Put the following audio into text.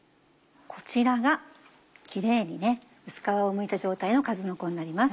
こちらがキレイに薄皮をむいた状態のかずのこになります。